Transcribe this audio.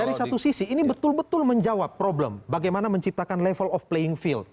dari satu sisi ini betul betul menjawab problem bagaimana menciptakan level of playing field